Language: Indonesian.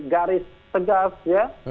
garis tegas ya